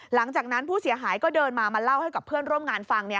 หลังจากนั้นผู้เสียหายก็เดินมามาเล่าให้กับเพื่อนร่วมงานฟัง